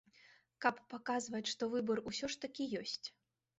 Каб паказваць, што выбар усё ж такі ёсць.